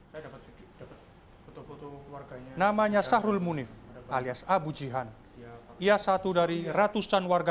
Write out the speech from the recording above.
hai saya dapat foto foto warganya namanya sahrul munif alias abu jihan ia satu dari ratusan warga